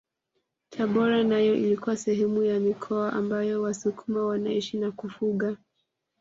Tabora nayo ilikuwa sehemu ya mikoa ambayo wasukuma wanaishi na kufuga